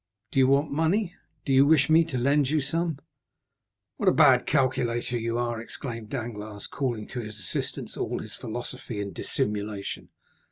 Do you want money? Do you wish me to lend you some?" 30253m "What a bad calculator you are!" exclaimed Danglars, calling to his assistance all his philosophy and dissimulation.